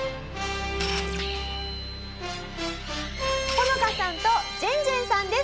ホノカさんとジェンジェンさんです。